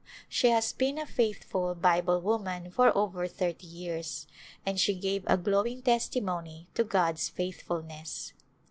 She has been a faithful Bible woman for over thirty years, and she gave a glowing testimony to God's faithfulness.